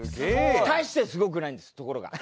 大してすごくないんですところが。